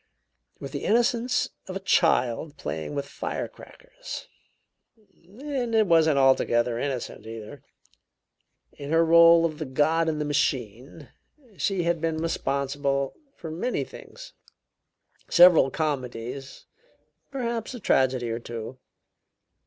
With the innocence of a child playing with fire crackers (and it wasn't altogether innocent, either), in her rôle of the god in the machine she had been responsible for many things; several comedies, perhaps a tragedy or two.